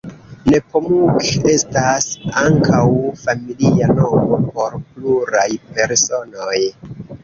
Nepomuk estas ankaŭ familia nomo por pluraj personoj.